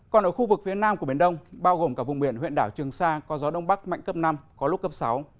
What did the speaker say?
còn ở khu vực phía nam của biển đông bao gồm cả vùng biển huyện đảo trường sa có gió đông bắc mạnh cấp năm có lúc cấp sáu